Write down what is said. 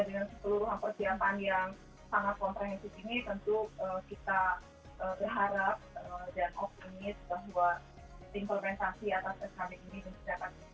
dengan sekeluruhan persiapan yang sangat komprehensif ini tentu kita berharap dan optimis bahwa implementasi atas resamik ini bisa dijalankan